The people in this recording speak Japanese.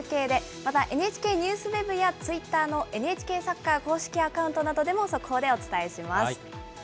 総合テレビでは中継で、またＮＨＫＮＥＷＳＷＥＢやツイッターのＮＨＫサッカー公式アカウントなどでも、速報でお伝えします。